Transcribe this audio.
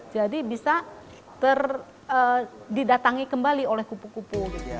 jadi bisa didatangi kembali oleh kupu kupu